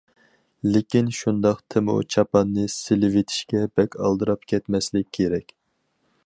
لېكىن شۇنداقتىمۇ چاپاننى سېلىۋېتىشكە بەك ئالدىراپ كەتمەسلىك كېرەك.